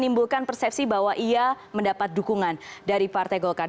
menimbulkan persepsi bahwa ia mendapat dukungan dari partai golkar